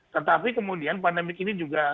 tetapi kemudian pandemik ini juga